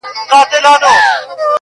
• د ابليس د اولادونو شيطانانو -